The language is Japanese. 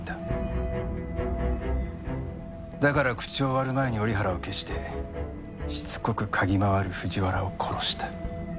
だから口を割る前に折原を消してしつこく嗅ぎ回る藤原を殺した。